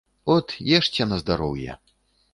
От ешце на здароўе.